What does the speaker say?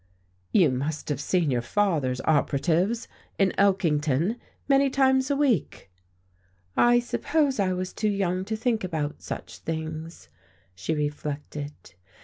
"You must have seen your father's operatives, in Elkington, many times a week." "I suppose I was too young to think about such things," she reflected.